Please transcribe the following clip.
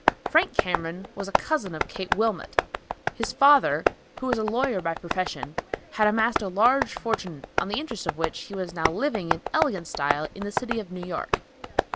Frank Cameron was a cousin of Kate Wilmot. His father, who was a lawyer by profession, had amassed a large fortune, on the interest of which he was now living in elegant style in the city of New York.